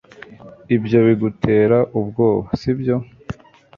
ibyo bigutera ubwoba, sibyo